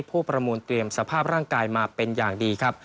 ประมูลเตรียมสภาพร่างกายมาเป็นอย่างดีครับ